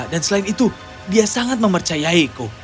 dan selain itu dia sangat mempercayai kau